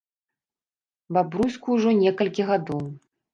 Бабруйску ўжо некалькі гадоў.